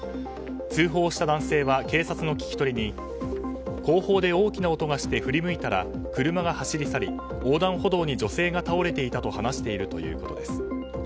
通報をした男性は警察の聞き取りに後方で大きな音がして振り向いたら車が走り去り横断歩道に女性が倒れていたと話しているということです。